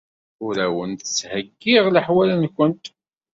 Ur awent-d-ttheyyiɣ leḥwal-nwent.